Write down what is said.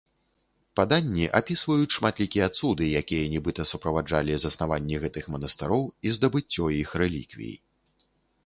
Паданні апісваюць шматлікія цуды, якія нібыта суправаджалі заснаванні гэтых манастыроў і здабыццё іх рэліквій.